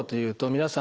皆さん